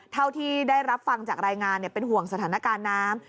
เท่าที่ได้รับฟังจากรายงานเป็นห่วงสถานการณ์น้ำ